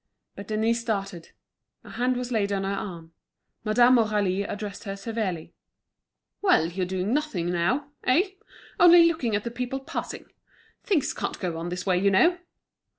But Denise started. A hand was laid on her arm. Madame Aurélie addressed her severely: "Well, you're doing nothing now—eh? only looking at the people passing. Things can't go on this way, you know!"